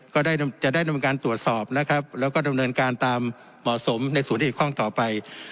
ก็ได้จะได้นำการตรวจสอบนะครับแล้วก็ดำเนินการตามเหมาะสมในศูนย์อีกข้องต่อไป